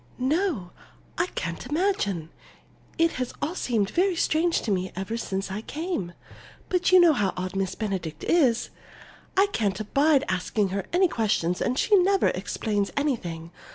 "No, I can't imagine. It has all seemed very strange to me ever since I came. But you know how odd Miss Benedict is. I can't abide asking her any questions, and she never explains anything.